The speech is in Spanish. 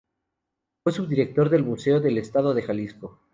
Fue subdirector del Museo del Estado de Jalisco.